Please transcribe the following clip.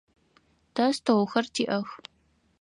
Тэ столхэр тиӏэх.